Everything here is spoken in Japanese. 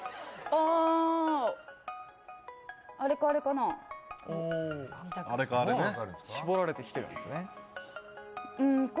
あれかあれね絞られてきてるんですね